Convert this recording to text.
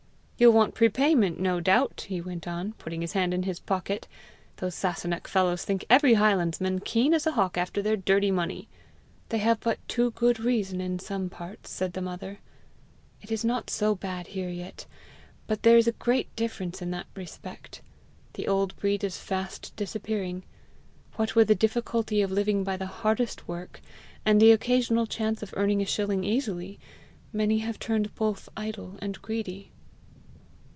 "'You'll want prepayment, no doubt!' he went on, putting his hand in his pocket. Those Sasunnach fellows think every highlandman keen as a hawk after their dirty money!" "They have but too good reason in some parts!" said the mother. "It is not so bad here yet, but there is a great difference in that respect. The old breed is fast disappearing. What with the difficulty of living by the hardest work, and the occasional chance of earning a shilling easily, many have turned both idle and greedy."